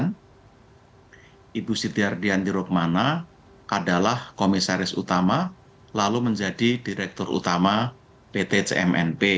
tapi pada masa itu pada kurun sekitar sembilan sembilan sembilan ibu siti ardianti rokmana adalah komisaris utama lalu menjadi direktur utama pt cmnp